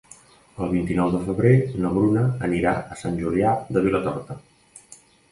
El vint-i-nou de febrer na Bruna anirà a Sant Julià de Vilatorta.